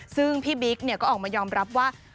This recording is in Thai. ซึ่งพี่บิ๊กก็ออกมายอมรับว่า